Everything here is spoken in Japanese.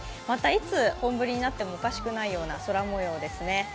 いつ本降りになってもおかしくないように空もようですね。